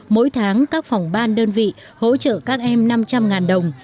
mỗi tháng các phòng ban đơn vị hỗ trợ các em năm trăm linh đồng